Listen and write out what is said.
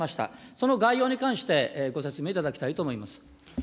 その概要に関して、ご説明いただきたいと思います。